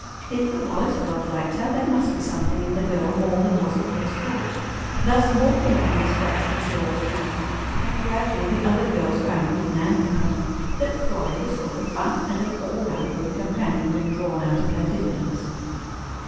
If the Wallace girls liked her, there must be something in the girl more than was at first thought—thus more than one of Miss Braxton's girls reasoned. And gradually the other girls found, as Nan had found, that Florrie was full of fun and an all round good companion when drawn out of her diffidence.